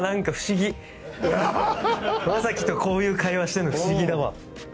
将暉とこういう会話してるの不思議だわ。